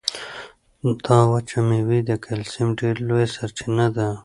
دا وچه مېوه د کلسیم ډېره لویه سرچینه ده.